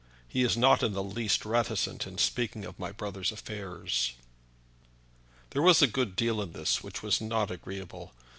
He is not in the least reticent in speaking of my brother's affairs." There was a good deal in this which was not agreeable.